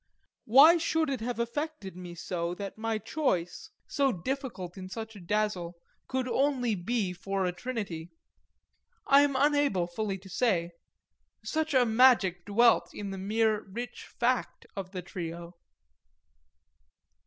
Why should it have affected me so that my choice, so difficult in such a dazzle, could only be for a trinity? I am unable fully to say such a magic dwelt in the mere rich fact of the trio.